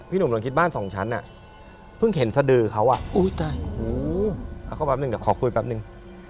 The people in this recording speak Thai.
พี่หนุ่มตอนคิดบ้าน๒ชั้นน่ะเพิ่งเห็นสะดือเขาออกเขาแป๊บหนึ่งแต่ขอพูดแป๊บหนึ่ง